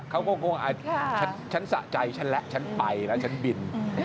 เขาก็งงฉันสะใจฉันแล้วฉันไปแล้วฉันบิน